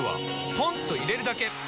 ポンと入れるだけ！